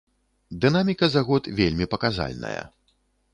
Дынаміка за год вельмі паказальная.